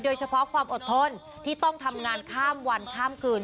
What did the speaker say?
โดยเฉพาะความอดทนที่ต้องทำงานข้ามวันข้ามคืน